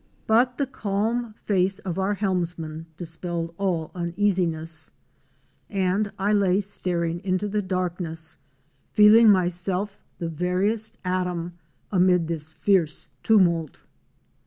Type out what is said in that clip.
But the calm face of our helmsman dispelled all uneasiness, and I lay staring into the darkness, feeling myself the veriest atom amid this fierce tumult.